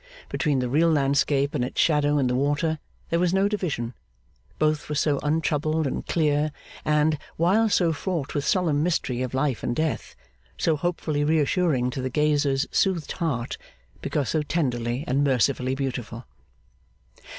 Between the real landscape and its shadow in the water, there was no division; both were so untroubled and clear, and, while so fraught with solemn mystery of life and death, so hopefully reassuring to the gazer's soothed heart, because so tenderly and mercifully beautiful.